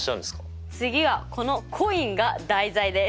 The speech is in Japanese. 次はこのコインが題材です。